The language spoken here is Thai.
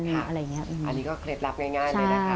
อันนี้ก็เคล็ดลับง่ายเลยนะคะ